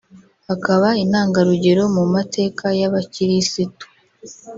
akaba intangarugero mu mateka y’Abakirisitu